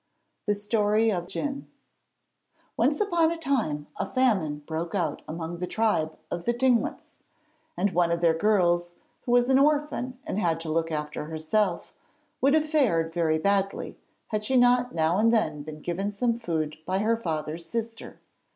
THE STORY OF DJUN Once upon a time a famine broke out among the tribe of the Tlingits, and one of their girls, who was an orphan and had to look after herself, would have fared very badly had she not now and then been given some food by her father's sister.